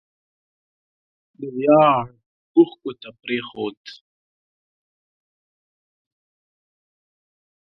د ویاړ اوښکو ته پرېښود